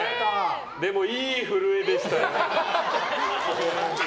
でも、いい震えでしたよ。